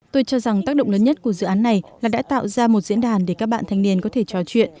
tôi cho rằng tác động lớn nhất của dự án này là đã tạo ra một diễn đàn để các bạn thanh niên có thể trò chuyện